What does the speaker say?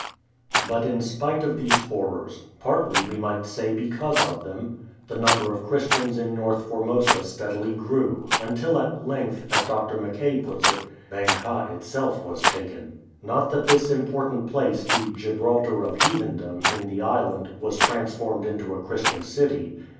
But in spite of these horrors — partly, we might say, because of them — the number of Christians in North Formosa steadily grew, until at length, as Dr. Mackay puts it, " Bang kah itself was taken." Not that this im portant place, "the Gibraltar of heathendom" in the island, was transformed into a Christian city.